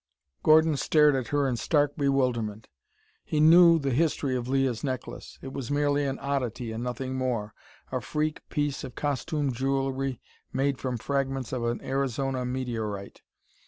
Gordon stared at her in stark bewilderment. He knew the history of Leah's necklace. It was merely an oddity, and nothing more a freak piece of costume jewelry made from fragments of an Arizona meteorite.